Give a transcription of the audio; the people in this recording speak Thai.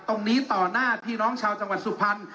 ต่อหน้าพี่น้องชาวจังหวัดสุพรรณ